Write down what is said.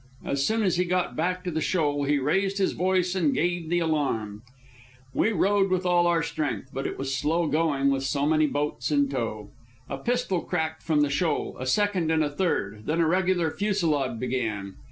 As soon as he got back to the shoal he raised his voice and gave the alarm. We rowed with all our strength, but it was slow going with so many boats in tow. A pistol cracked from the shoal, a second, and a third; then a regular fusillade began.